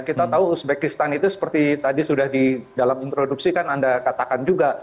kita tahu uzbekistan itu seperti tadi sudah di dalam introduksi kan anda katakan juga